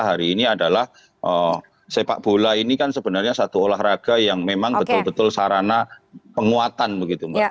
hari ini adalah sepak bola ini kan sebenarnya satu olahraga yang memang betul betul sarana penguatan begitu mbak